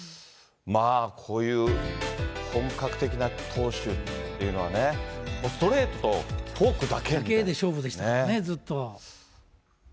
まあ、こういう本格的な投手っていうのはね、ストレートとフォークだけ。だけで勝負でしたからね、ずっと。